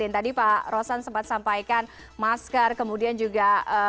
tadi pak rosan sempat sampaikan masker kemudian juga